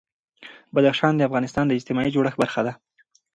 بدخشان د افغانستان د اجتماعي جوړښت برخه ده.